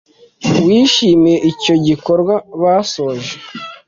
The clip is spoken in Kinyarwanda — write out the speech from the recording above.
wishimiye icyo gikorwa basoje